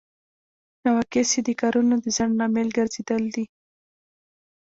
نواقص یې د کارونو د ځنډ لامل ګرځیدل دي.